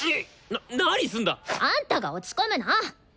なっ何すんだ！あんたが落ち込むな！